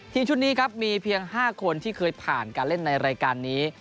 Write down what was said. ทีมชุดนี้ครับมีเพียง๕คนที่เคยผ่านการเล่นในรายการนี้